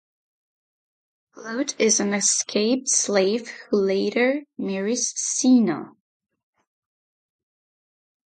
Lud is an escaped slave who later marries Seena.